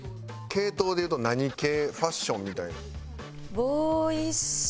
系統でいうと何系ファッションみたいな。